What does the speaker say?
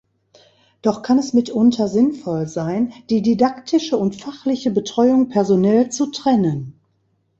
Doch kann es mitunter sinnvoll sein, die didaktische und fachliche Betreuung personell zu trennen.